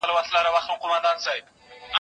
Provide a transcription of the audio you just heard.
زه اجازه لرم چي جواب ورکړم..